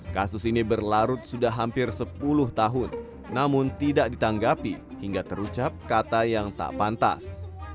kasus ini berlarut sudah hampir sepuluh tahun namun tidak ditanggapi hingga terucap kata yang tak pantas